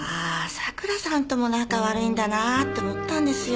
桜さんとも仲悪いんだなって思ったんですよ。